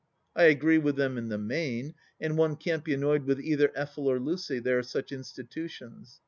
I agree with them in the main, and one can't be annoyed with either Effel or Lucy, they are such institutions.